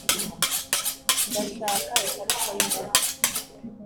ndashaka ikarita yumujyi